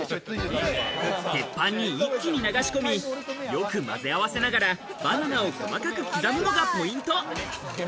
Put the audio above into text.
鉄板に一気に流し込み、よくまぜ合わせながら、バナナを細かく刻むのがポイント。